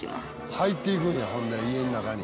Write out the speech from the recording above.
入っていくんやほんで家の中に。